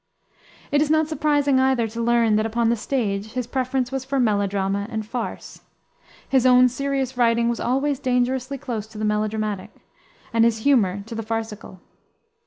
It is not surprising, either, to learn that upon the stage his preference was for melodrama and farce. His own serious writing was always dangerously close to the melodramatic, and his humor to the farcical.